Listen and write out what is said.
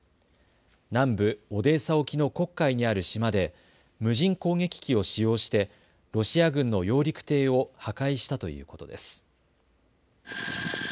南部オデーサ沖の黒海にある島で無人攻撃機を使用してロシア軍の揚陸艇を破壊したということです。